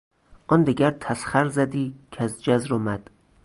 آن دگر تسخر زدی کز جزر و مد...